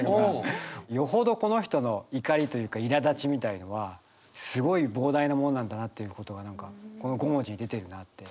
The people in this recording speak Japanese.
よほどこの人の怒りというかいらだちみたいのはすごい膨大なものなんだなということが何かこの５文字に出てるなって。